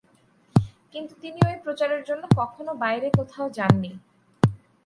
কিন্তু তিনি ঐ প্রচারের জন্য কখনও বাইরে কোথাও যাননি।